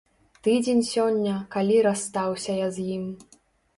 Тыдзень сёння, калі расстаўся я з ім.